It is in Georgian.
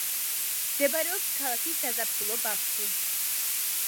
მდებარეობს ქალაქის საზაფხულო ბაღში.